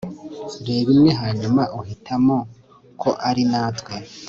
reba imwe hanyuma uhitamo ko ari natwe